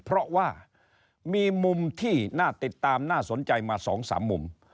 เพราะว่ามีมุมที่น่าติดตามน่าสนใจมา๒๓มุม